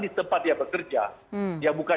di tempat dia bekerja dia bukan